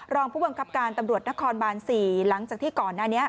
รองผู้บังคับการตำรวจนครบาน๔หลังจากที่ก่อนหน้านี้